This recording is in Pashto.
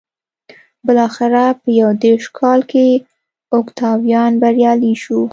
بلاخره په یو دېرش کال کې اوکتاویان بریالی شو